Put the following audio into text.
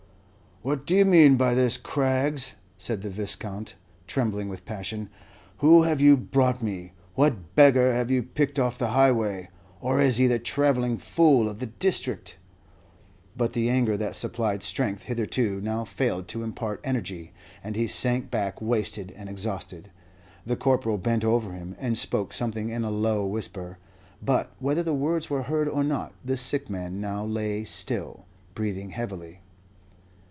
"What do you mean by this, Craggs?" said the Viscount, trembling with passion. "Who have you brought me? What beggar have you picked off the highway? Or is he the travelling fool of the district?" But the anger that supplied strength hitherto now failed to impart energy, and he sank back wasted and exhausted. The Corporal bent over him, and spoke something in a low whisper, but whether the words were heard or not, the sick man now lay still, breathing heavily.